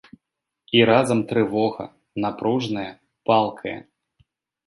І разам трывога, напружная, палкая.